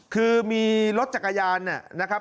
คือมีรถจักรยานนะครับ